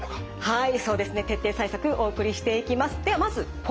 はい。